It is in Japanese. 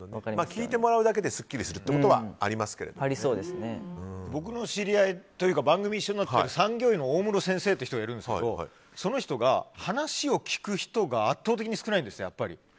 聞いてもらうだけですっきりするということは僕の知り合いというか番組一緒になってる産業医のオオムロ先生という人がいますがその人が話を聞く人が圧倒的に少ないんです。